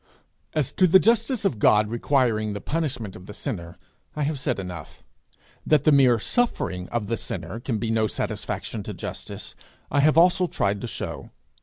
As to the justice of God requiring the punishment of the sinner, I have said enough. That the mere suffering of the sinner can be no satisfaction to justice, I have also tried to show.